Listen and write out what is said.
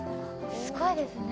すごいですね。